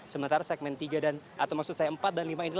sementara segmen tiga dan atau maksud saya empat dan lima ini